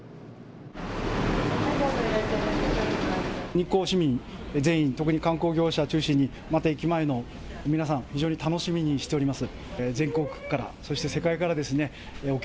日光市民全員、特に観光業者中心に駅前の皆さん、非常に楽しみにしています。